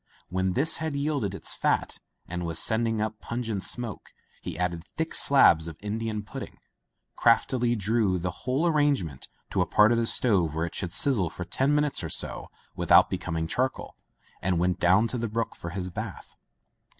When this had yielded its fat and was sending up pungent smoke, he added thick slabs of Indi an pudding, craftily drew the whole arrange ment to a part of the stove where it should sizzle for ten minutes or so without becom ing charcoal, and went down to the brook for his bath.